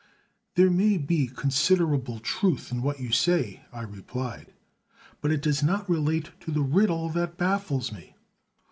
"There may be considerable truth in what you say," I replied; "but it does not relate to the riddle that baffles me.